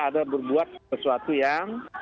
ada berbuat sesuatu yang